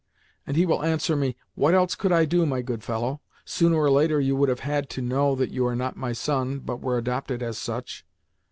And he will answer me, 'What else could I do, my good fellow? Sooner or later you would have had to know that you are not my son, but were adopted as such.